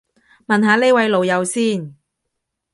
問下呢位老友先